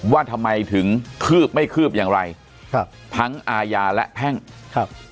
ว่าทำไมถึงคืบไม่คืบอย่างไรครับทั้งอาญาและแพ่งครับ